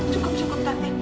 cukup cukup tanti